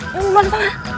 ya lu luar sana